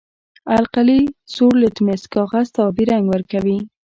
القلي سور لتمس کاغذ ته آبي رنګ ورکوي.